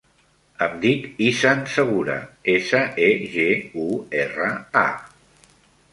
Em dic Izan Segura: essa, e, ge, u, erra, a.